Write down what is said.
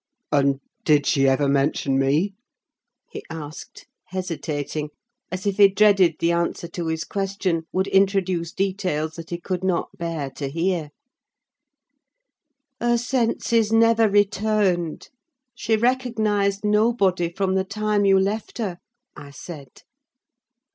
"And—did she ever mention me?" he asked, hesitating, as if he dreaded the answer to his question would introduce details that he could not bear to hear. "Her senses never returned: she recognised nobody from the time you left her," I said.